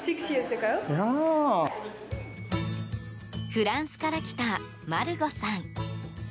フランスから来たマルゴさん。